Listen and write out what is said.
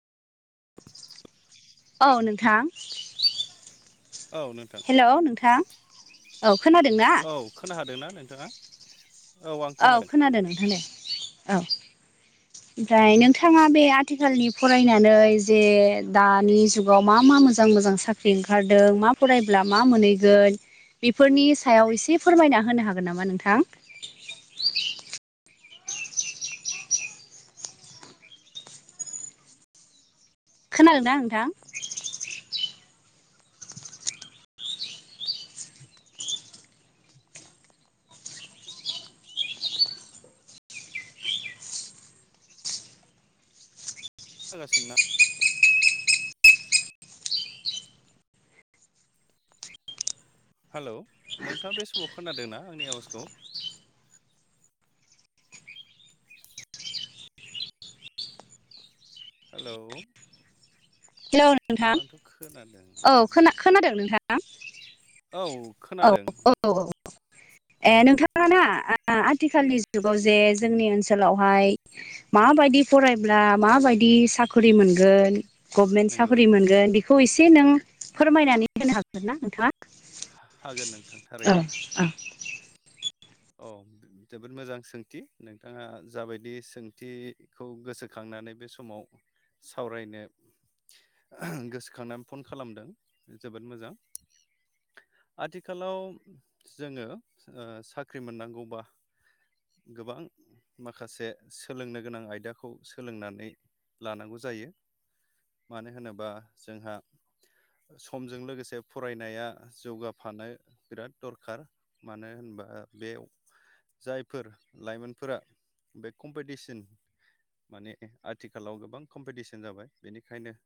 औ नोंथां हेल' नोंथां औव औ खोन हादोंना नोंथाङा औ खोनादों नोंहा दे औ ओमफ्राय नोंथाङा बे आथिखालनि फरायनानै जे दानि जुगाव मा मा मा मोजां मोजां साख्रि ओंखारदों मा फरायब्ला मा मोनहैगोन बेफोरनि सायाव एसे फोरमायना होनो हागोन नामा नोंथां खोनागोनदां नोंथां? जागासिनोना हेलौ नोंथाङा बे समाव खोनादोंनाा आंनि आवाजखौ हेलौ हेलौ नोंथां औ खोनादों नोंथाङा औ खोनादों ए नोंथां ना आथिखालनि जुगाव जे जोंनि ओनसोलावहाय माबायदि फराय ना माबायदि साखरि मोनगोन गभनमेन्ट साफ्रि मोनगोन बेखौ एसे नों फोरमायनानै होनो हागोन ना नोंथाङा हागोन नोंथां थारैनो। औ जोबोद मोजां सोंथि नोंथाङा जाबायदि सोंथिखौ गोसोखां नांनानै बे समाव सावरायनो गोसोखांनानै फन खालामदों जोबोद मोजां। आथिखालाव जोङो ओ साख्रि मोननांगौबा गोबां माखासे सोलोंनो गोनां आयदाखौ सोलोंनानै लानांगौ जायो मानो होनोबा जोंहा समजों लोगोसे फरायनाया जौगाफानो बिराद दरखार। मानो होनबा बेयाव जायफोर लाइमोनफोरा बे कम्पिटिसन माने आथिखालाव गोबां कम्पिटिसन जाबाय बेनिखायनो